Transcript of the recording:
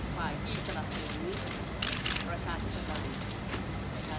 ฝ่ายกิจสนับสนุนประชาชนธรรมดา